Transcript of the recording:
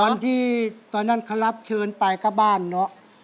ตอนที่ตอนนั้นครับเชิญไปก็บ้านเนอะ